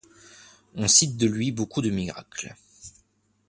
On cite de lui beaucoup de miracles.